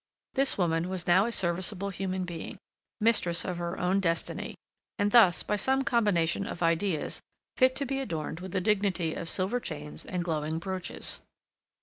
This woman was now a serviceable human being, mistress of her own destiny, and thus, by some combination of ideas, fit to be adorned with the dignity of silver chains and glowing brooches.